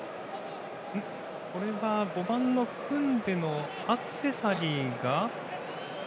５番、クンデのアクセサリーが。